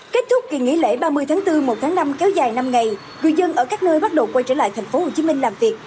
kết thúc kỳ nghỉ lễ ba mươi tháng bốn một tháng năm kéo dài năm ngày người dân ở các nơi bắt đầu quay trở lại tp hcm làm việc